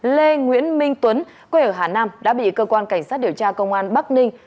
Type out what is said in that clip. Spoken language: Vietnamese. lê nguyễn minh tuấn quê ở hà nam đã bị cơ quan cảnh sát điều tra công an bắc ninh